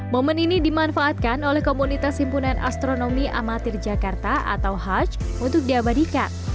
momen ini dimanfaatkan oleh komunitas himpunan astronomi amatir jakarta atau haj untuk diabadikan